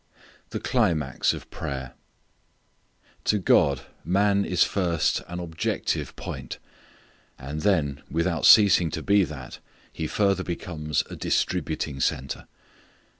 The Climax of Prayer. To God man is first an objective point, and then, without ceasing to be that, he further becomes a distributing centre.